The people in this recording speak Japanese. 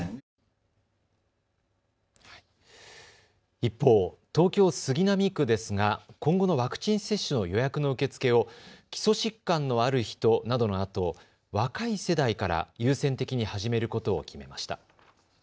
一方、東京杉並区ですが今後のワクチン接種の予約の受け付けを基礎疾患のある人などのあと若い世代から優先的に始めることを決めました。